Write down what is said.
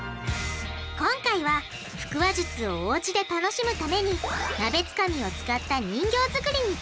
今回は腹話術をおうちで楽しむためになべつかみを使った人形作りに挑戦。